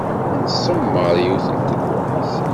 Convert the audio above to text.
Tsemmeṛ yiwet n telweḥt.